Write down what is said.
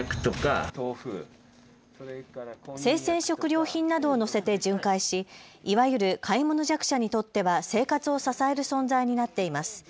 生鮮食料品などを乗せて巡回しいわゆる買い物弱者にとっては生活を支える存在になっています。